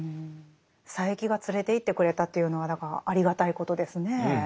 佐柄木が連れていってくれたというのはだからありがたいことですね。